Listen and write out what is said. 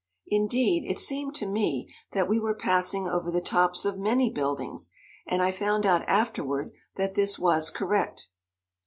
Indeed, it seemed to me that we were passing over the tops of many buildings and I found out afterward that this was correct.